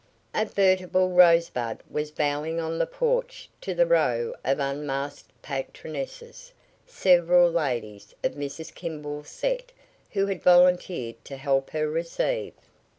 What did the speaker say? A veritable Rosebud was bowing on the porch to the row of unmasked patronesses, several ladies of Mrs. Kimball's set, who had volunteered to help her receive.